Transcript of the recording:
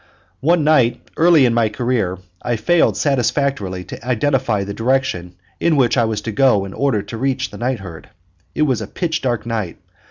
One night early in my career I failed satisfactorily to identify the direction in which I was to go in order to reach the night herd. It was a pitch dark night.